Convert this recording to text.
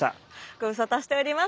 ご無沙汰しております。